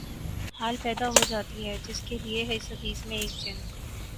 حال پیدا ہو جاتی ہے جس کے لیے اس حدیث میں ایک جن